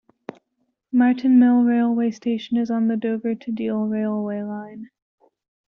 Martin Mill railway station is on the Dover to Deal railway line.